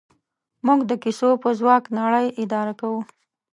موږ د کیسو په ځواک نړۍ اداره کوو.